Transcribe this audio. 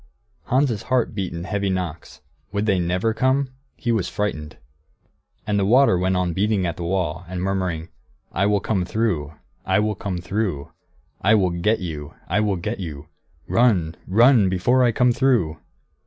Hans' heart beat in heavy knocks. Would they never come? He was frightened. And the water went on beating at the wall, and murmuring, "I will come through, I will come through, I will get you, I will get you, run run before I come through!"